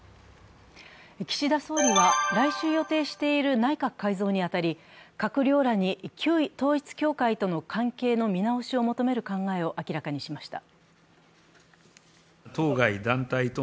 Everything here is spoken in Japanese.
岸田総理は、来週予定している内閣改造に当たり、閣僚らに旧統一教会との関係の見直しを求める考えを明らかにしました。